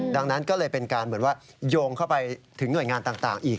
ดังนั้นก็เลยเป็นการเหมือนว่าโยงเข้าไปถึงหน่วยงานต่างอีก